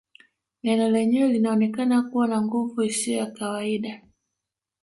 Neno lenyewe linaonekana kuwa na nguvu isiyo ya kawaida